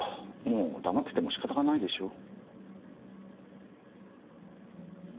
もう黙ってても仕方がないでしょう？